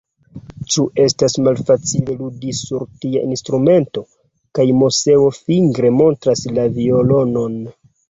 Ĉu estas malfacile ludi sur tia instrumento? kaj Moseo fingre montras la violonon.